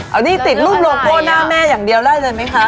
อันนี้ติดรูปโลโก้หน้าแม่อย่างเดียวได้เลยไหมคะ